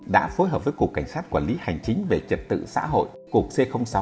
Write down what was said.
đã phối hợp với cục cảnh sát quản lý hành chính về trật tự xã hội cục c sáu